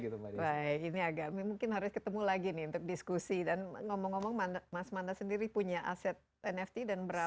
gitu baik ini agak mungkin harus ketemu lagi nih untuk diskusi dan ngomong ngomong mana mas mana